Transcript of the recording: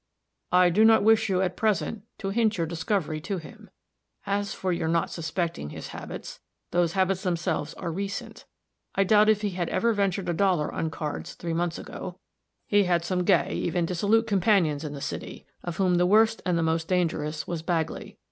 "I do not wish you, at present, to hint your discovery to him. As for your not suspecting his habits, those habits themselves are recent. I doubt if he had ever ventured a dollar on cards three months ago. He had some gay, even dissolute companions in the city, of whom the worst and most dangerous was Bagley.